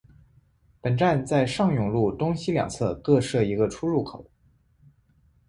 本站在上永路东西两侧各设一个出入口。